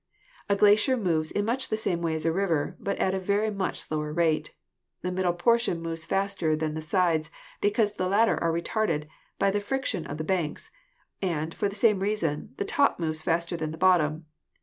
A glacier moves in much the same way as a river, but at a very much slower rate. The middle portion moves faster than the sides, because the latter are retarded by the fric tion of the banks, and, for the same reason, the top moves faster than the bottom.